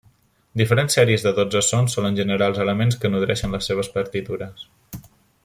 Diferents sèries de dotze sons solen generar els elements que nodreixen les seves partitures.